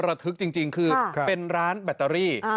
ระทึกจริงจริงคือค่ะเป็นร้านแบตเตอรี่อ่า